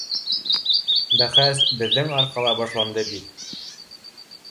Бәхәс беҙҙең арҡала башланды бит.